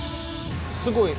すごい！